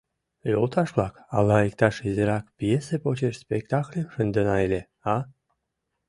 — Йолташ-влак, ала иктаж изирак пьесе почеш спектакльым шындена ыле, а?